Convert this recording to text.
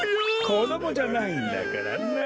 こどもじゃないんだからなっ。